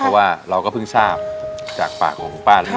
เพราะว่าเราก็เพิ่งทราบจากปากของคุณป้าแล้ว